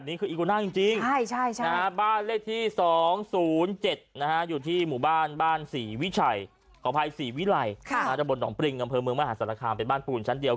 นี่คืออีโกน่าจริงบ้านเลขที่๒๐๗อยู่ที่หมู่บ้านบ้านศรีวิชัยขออภัยศรีวิลัยตะบนหนองปริงอำเภอเมืองมหาศาลคามเป็นบ้านปูนชั้นเดียว